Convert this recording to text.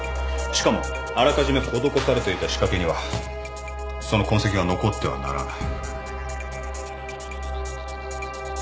しかもあらかじめ施されていた仕掛けにはその痕跡が残ってはならない。